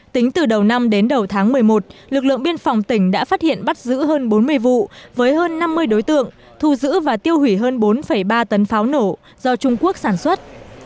tính từ đầu năm đến đầu tháng một mươi một lực lượng biên phòng tỉnh đã phát hiện bắt giữ hơn bốn mươi vụ với hơn năm mươi đối tượng thu giữ và tiêu hủy hơn bốn ba tấn pháo nổ do trung quốc sản xuất